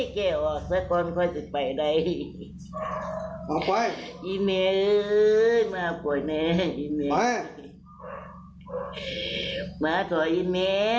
แกออกซะก่อนค่อยจะไปได้เอาไปอีเมลมาป่วยแน่อีเมลมาต่ออีเมล